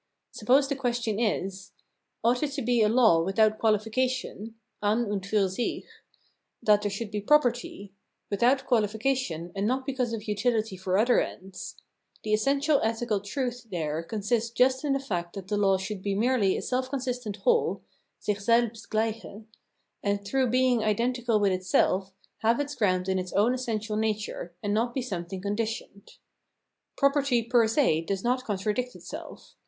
Suppose the question is :— ought it to be a law without quahfication {an und fur sick) that there should be property :— without quahfication, and not because of utiHty for other ends. The essential ethical truth there consists just in the fact that the law should be merely a self consistent whole [sicli selhst gleiche), and through being identical with itself, have its ground in its own essen tial nature, and not be something conditioned. Pro 420 Phenomenology of Mind perty fer se does not contradict itself.